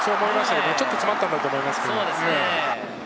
ちょっと詰まったんだと思います。